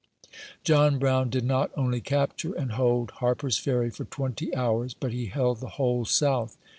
John Brown did not only capture and hold Harper's Ferry for twenty hours, but he held the whole South.